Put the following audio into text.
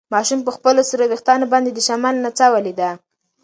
ماشوم په خپلو سره وېښتان باندې د شمال نڅا ولیده.